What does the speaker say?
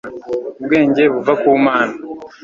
ubwenge buva ku mana